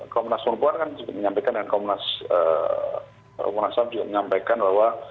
komnas perempuan kan juga menyampaikan dan komnas rekomunasam juga menyampaikan bahwa